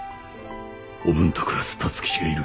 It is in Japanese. おぶんと暮らす辰吉がいる。